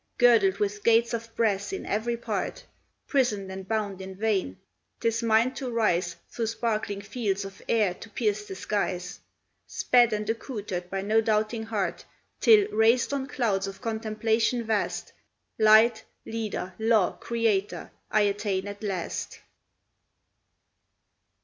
Girdled with gates of brass in every part, Prisoned and bound in vain, 'tis mine to rise Through sparkling fields of air to pierce the skies, Sped and accoutred by no doubting heart, Till, raised on clouds of contemplation vast, Light, leader, law, Creator, I attain at last.